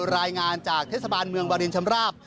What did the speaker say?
รายงานจากเทศบาลเมืองวารินชำราบ